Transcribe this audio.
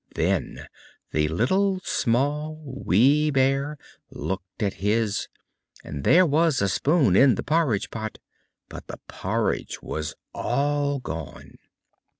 Then the Little, Small, Wee Bear looked at his, and there was the spoon in the porridge pot, but the porridge was all gone.